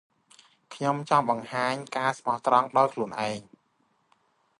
ខ្ញុំចង់អោយបង្ហាញការស្មោះត្រង់ដោយខ្លួនឯង ។